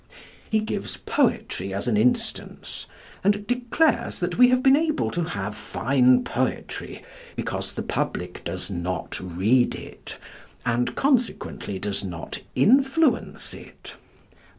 He gives poetry as an instance, and declares that we have been able to have fine poetry because the public does not read it, and consequently does not influence it.